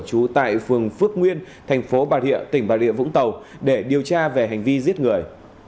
trú tại phường phước nguyên thành phố bà rịa tỉnh bà rịa vũng tàu để điều tra về hành vi giết người